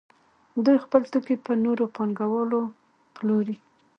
دوی خپل توکي په نورو پانګوالو پلوري